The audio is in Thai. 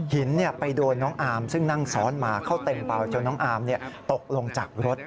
หินไปโดนน้องอาร์มซึ่งนั่งซ้อนมาเข้าเต็มเบาจนน้องอาร์มตกลงจากรถ